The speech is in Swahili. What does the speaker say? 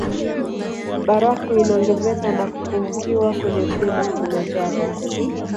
Barafu inaongezeka na kupungukiwa kwenye mlima kilimanjaro